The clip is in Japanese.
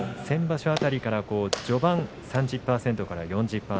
先場所辺りから序盤３０％から４０％。